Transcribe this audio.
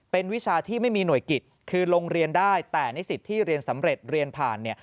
เป็นวิชาที่ไม่มีหน่วยกิจคือลงเรียนได้แต่นิสิตที่เรียนสำเร็จเรียนผ่านเนี่ย